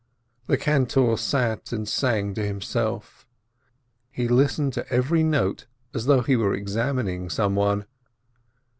The cantor sat and sang to himself. He listened to every note as though he were examining some one.